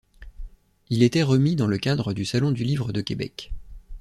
Il était remis dans le cadre du Salon du livre de Québec.